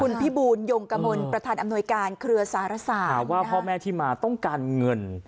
คุณพี่บูลยงกมลประธานอำนวยการเครือสารศาสตร์หาว่าพ่อแม่ที่มาต้องการเงิน